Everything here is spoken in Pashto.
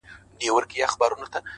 خدايه سندرو کي مي ژوند ونغاړه-